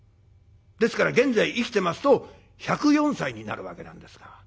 ですから現在生きてますと１０４歳になるわけなんですが。